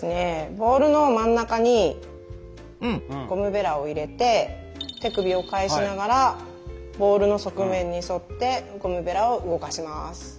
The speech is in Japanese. ボウルの真ん中にゴムベラを入れて手首を返しながらボウルの側面に沿ってゴムベラを動かします。